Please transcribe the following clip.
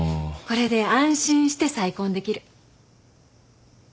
これで安心して再婚できる。